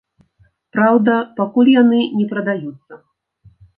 Праўда, пакуль яны не прадаюцца.